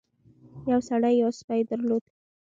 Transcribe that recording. یو سړي یو سپی درلود.